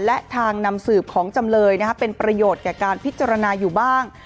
และทางนำสืบของจำเลยเป็นประโยชน์แก่การพิจารณาอยู่บ้าง